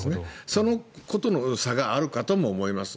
そのことの差があるかとも思います。